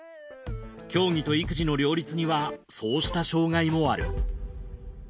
競技と育児の両立にはそうした障害もある。